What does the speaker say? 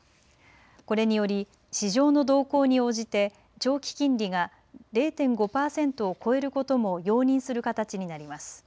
これにより、市場の動向に応じて長期金利が０．５パーセントを超えることも容認する形になります。